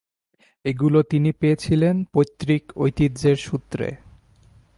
এগুলো তিনি পেয়েছিলেন পৈতৃক ঐতিহ্যের সূত্রে।